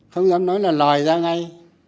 không dám nói là lòi ra ngay